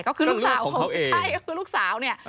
ก็คือลูกสาวของไม่ใช่ก็คือลูกสาวเนี่ย